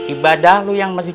ibadah lo yang masih